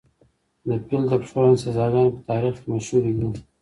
د پیل تر پښو لاندې سزاګانې په تاریخ کې مشهورې دي.